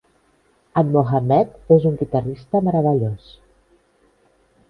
En Mohammed és un guitarrista meravellós.